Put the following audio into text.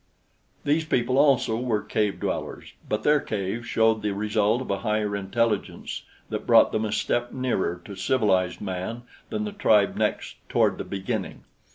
These people also were cave dwellers, but their caves showed the result of a higher intelligence that brought them a step nearer to civilized man than the tribe next "toward the beginning."